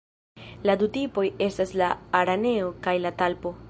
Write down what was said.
La du tipoj estas la „araneo“ kaj la „talpo“.